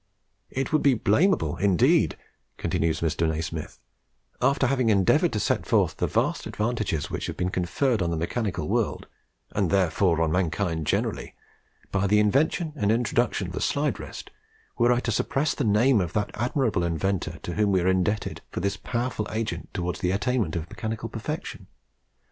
It would be blamable indeed," continues Mr. Nasmyth, "after having endeavoured to set forth the vast advantages which have been conferred on the mechanical world, and therefore on mankind generally, by the invention and introduction of the Slide Rest, were I to suppress the name of that admirable individual to whom we are indebted for this powerful agent towards the attainment of mechanical perfection.